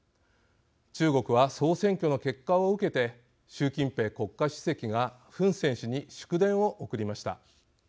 中国は総選挙の結果を受けて習近平国家主席がフン・セン氏に祝電を送りました。